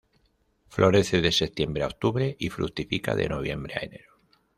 Florece de septiembre a octubre y fructifica de noviembre a enero.